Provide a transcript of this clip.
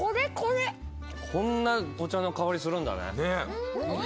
こんなお茶の香りするんだね。